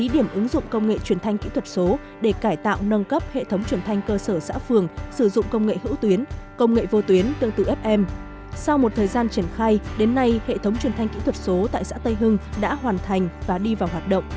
đến nay hệ thống truyền thanh kỹ thuật số tại xã tây hưng đã hoàn thành và đi vào hoạt động